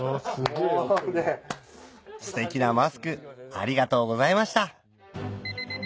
ステキなマスクありがとうございました